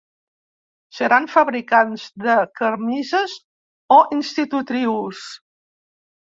Seran fabricants de camises o institutrius?